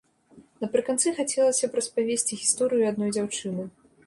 Напрыканцы хацелася б распавесці гісторыю адной дзяўчыны.